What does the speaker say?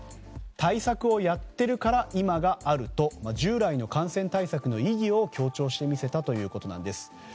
対策をやってるから今があると従来の感染対策の意義を強調してみせたということです。